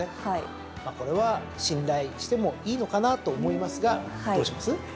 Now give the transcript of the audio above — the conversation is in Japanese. これは信頼してもいいのかなと思いますがどうします？